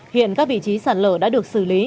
hiện các vị trí sạt lở đã được xử lý